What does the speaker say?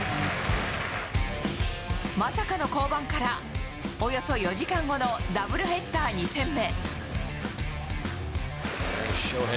まさかの降板からおよそ４時間後のダブルヘッダー２戦目。